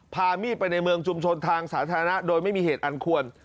พามีดไปในเมืองชุมชนทางสาธารณะโดยไม่มีเหตุอันควร